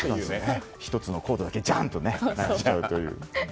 １つのコードだけジャン！と鳴っちゃうという。